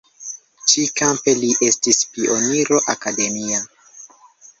Ĉi-kampe li estis pioniro akademia.